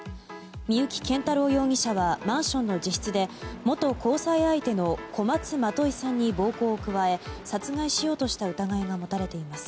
三幸謙太郎容疑者はマンションの自室で元交際相手の小松まといさんに暴行を加え殺害しようとした疑いが持たれています。